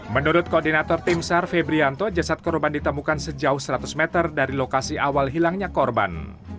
menurut koordinator tim sar febrianto jasad korban ditemukan sejauh seratus meter dari lokasi awal hilangnya korban